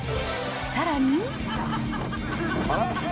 さらに。